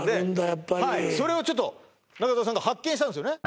やっぱりはいそれをちょっと中澤さんが発見したんですよね